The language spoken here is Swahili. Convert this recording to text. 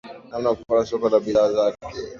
namna kupata soko la bidhaa zake